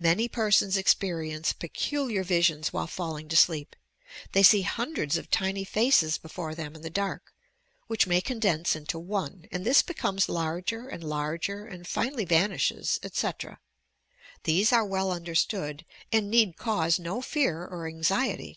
Many persons experience peculiar visions while falling to sleep. They see hundreds of tiny faces before them in the dark, which may condense into one, and this becomes larger and larger and finally vanishes, etc. These are well understood, and need cause no fear or anxiety.